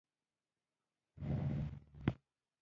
د انسان عقل او وجدان لا تر اوسه بې ساري دی.